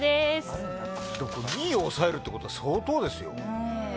あの２位を抑えるってことは相当ですよ。